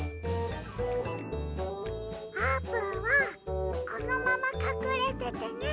あーぷんはこのままかくれててね。